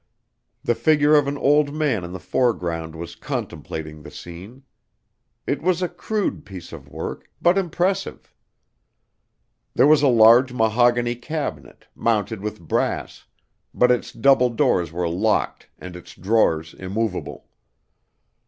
The figure of an old man in the foreground was contemplating the scene. It was a crude piece of work, but impressive. There was a large mahogany cabinet, mounted with brass; but its double doors were locked and its drawers immovable.